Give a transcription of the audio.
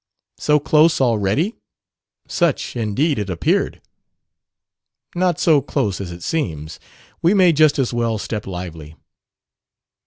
"So close, already?" Such, indeed, it appeared. "Not so close as it seems. We may just as well step lively."